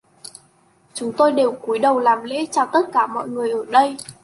Chúng tôi đều cúi đầu làm lễ chào tất cả mọi người ở đây